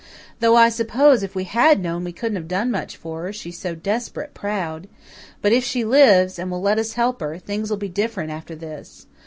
Though I suppose if we had known we couldn't have done much for her, she's so desperate proud. But if she lives, and will let us help her, things will be different after this.